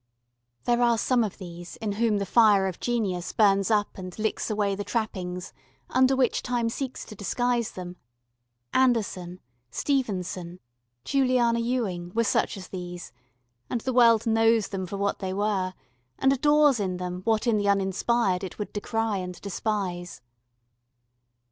There are some of these in whom the fire of genius burns up and licks away the trappings under which Time seeks to disguise them Andersen, Stevenson, Juliana Ewing were such as these and the world knows them for what they were, and adores in them what in the uninspired it would decry and despise.